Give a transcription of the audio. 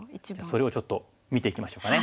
それをちょっと見ていきましょうかね。